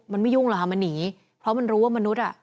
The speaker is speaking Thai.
มันไม่ยุ่งหรอกค่ะมันหนีเพราะมันรู้ว่ามนุษย์อ่ะ